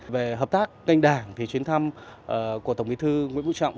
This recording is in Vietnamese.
về hợp tác kênh đảng thì chuyến thăm của tổng bí thư nguyễn vũ trọng